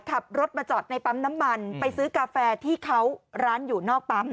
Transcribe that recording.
ขับรถมาจอดในปั๊มน้ำมันไปซื้อกาแฟที่เขาร้านอยู่นอกปั๊ม